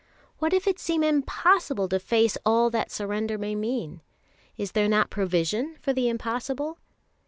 What if it seem impossible to face all that surrender may mean? Is there not provision for the impossible?